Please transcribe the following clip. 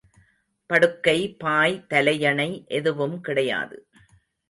படுக்கை, பாய், தலையணை எதுவும் கிடையாது.